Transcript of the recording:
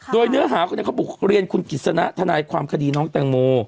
โดยเนื้อหาคนนี้เขาบอกเรียนคุณกิจสนะทนายความคดีน้องแตงโม